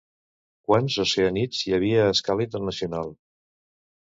Quants Oceànits hi havia a escala internacional?